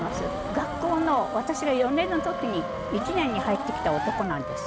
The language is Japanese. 学校の私が４年の時に１年に入ってきた男なんです。